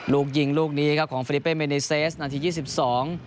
ลูกยิงลูกนี้ครับของฟิลิเป้เมนิเซสนาทียี่สิบสอง